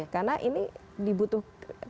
karena ini dibutuhkan